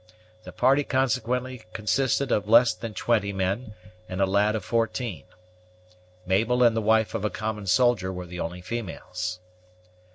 The party, consequently, consisted of less than twenty men, and a lad of fourteen. Mabel and the wife of a common soldier were the only females.